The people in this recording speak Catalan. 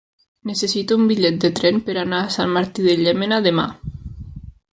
Necessito un bitllet de tren per anar a Sant Martí de Llémena demà.